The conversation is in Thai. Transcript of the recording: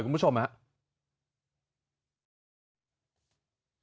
เรียบร้อยครับ